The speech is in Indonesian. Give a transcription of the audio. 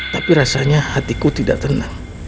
tapi rasanya hatiku tidak tenang